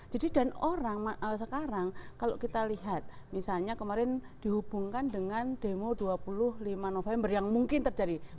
jadi dan orang sekarang kalau kita lihat misalnya kemarin dihubungkan dengan demo dua puluh lima november yang mungkin terjadi